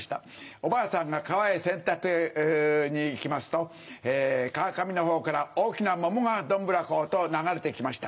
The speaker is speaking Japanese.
おばあさんが川へ洗濯に行きますと川上のほうから大きな桃がどんぶらこと流れて来ました。